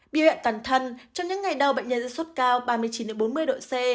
biểu hiện toàn thân trong những ngày đầu bệnh nhân diễn xuất cao ba mươi chín bốn mươi độ c